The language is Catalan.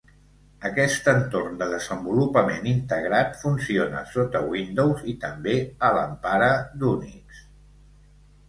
Aquest entorn de desenvolupament integrat funciona sota Windows i també a l'empara d'Unix.